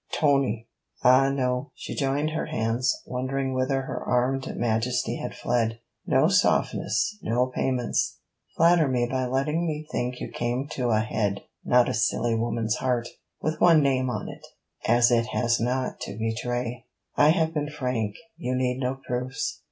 'Tony!' 'Ah! no,' she joined her hands, wondering whither her armed majesty had fled; 'no softness! no payments! Flatter me by letting me think you came to a head not a silly woman's heart, with one name on it, as it has not to betray. I have been frank; you need no proofs...'